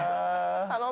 頼む。